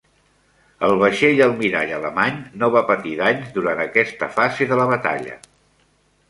El vaixell almirall alemany no va patir danys durant aquesta fase de la batalla.